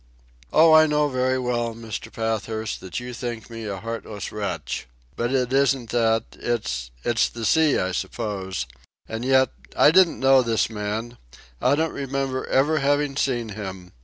"Oh, I know very well, Mr. Pathurst, that you think me a heartless wretch. But it isn't that it's ... it's the sea, I suppose. And yet, I didn't know this man. I don't remember ever having seen him.